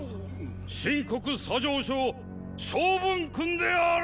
秦国左丞相昌文君である！！